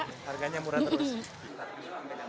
harganya murah terus